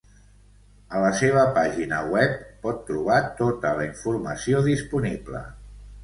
A la seva pàgina web pot trobar tota la informació disponible.